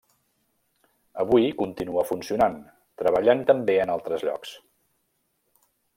Avui continua funcionant, treballant també en altres llocs.